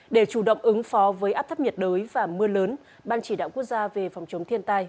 để chủ động ứng phó với áp thấp nhiệt đới và mưa lớn ban chỉ đạo quốc gia về phòng chống thiên tai